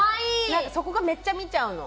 なんかそこがめっちゃ見ちゃうの。